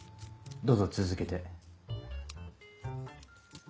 どうぞ続けて。